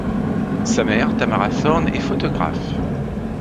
Sa mère, Tamara Thorne, est photographe.